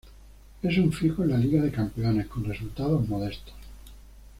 Es un fijo en la Liga de Campeones, con resultados modestos.